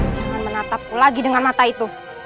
jangan menatap lagi dengan mata itu